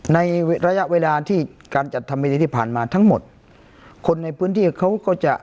ในระยะเวลาที่การจัดทำไม่ดีที่ผ่านมาทั้งหมดคนในพื้นที่เขาก็จะ